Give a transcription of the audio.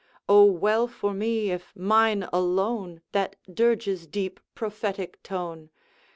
O, well for me, if mine alone That dirge's deep prophetic tone!